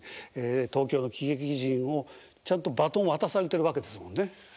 東京の喜劇人をちゃんとバトン渡されてるわけですもんね。